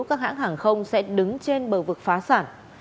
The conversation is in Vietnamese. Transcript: các hãng hàng không sẽ đứng trên bờ vực phá sản